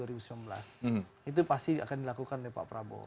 itu pasti akan dilakukan oleh pak prabowo